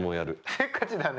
せっかちだね。